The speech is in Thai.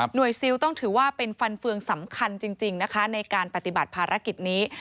ซิลต้องถือว่าเป็นฟันเฟืองสำคัญจริงนะคะในการปฏิบัติภารกิจนี้